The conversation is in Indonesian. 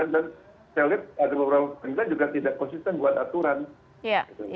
dan selip ada beberapa pembela juga tidak konsisten buat aturan